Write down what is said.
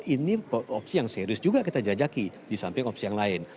ini opsi yang serius juga kita jajaki di samping opsi yang lain